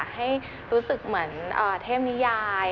ให้รู้สึกเหมือนเทพนิยาย